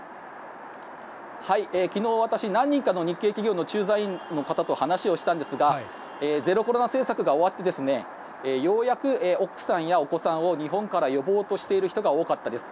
昨日、私何人かの日系企業の駐在員の方と話をしたんですがゼロコロナ政策が終わってようやく奥さんやお子さんを日本から呼ぼうとしている人が多かったです。